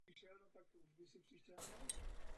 Stalo se doplňkem historie humánnosti a nehumánnosti.